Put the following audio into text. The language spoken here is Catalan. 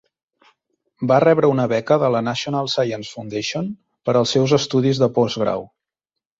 Va rebre una beca de la National Science Foundation per als seus estudis de postgrau.